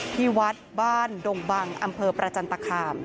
ที่วัดบ้านดงบังอำเภอประจันตคาม